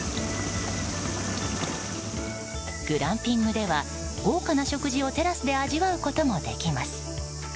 グランピングでは多くの食事をテラスで味わうこともできます。